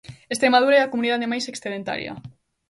Estremadura é a comunidade máis excedentaria.